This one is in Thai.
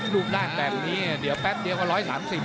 รูปร่างแบบนี้เดี๋ยวแป๊บเดียวก็๑๓๐